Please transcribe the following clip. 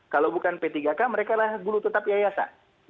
kalau bukan p tiga k mereka adalah guru tetap yayasan